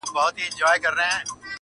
تښتېدلې ورنه ډلي د لېوانو-